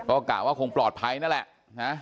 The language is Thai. โอกาสว่าคงปลอดภัยนั่นแหละ